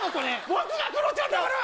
僕がクロちゃんだから！